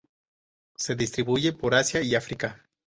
Se distribuye por Asia y África.